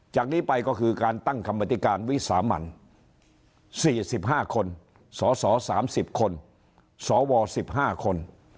จากนี้ไปก็คือการตั้งกรรมธิการวิสามัน๔๕คนสส๓๐คนสว๑๕คน